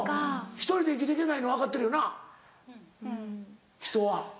１人で生きていけないの分かってるよな人は。